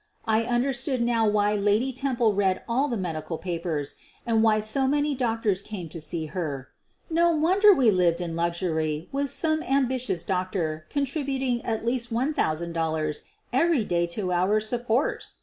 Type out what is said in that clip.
I understood now why Lady Temple read all the medical papers and why so many doctors came to see her. No wonder we lived in luxury with some ambitious doctor contributing at least $1,000 every day to our support!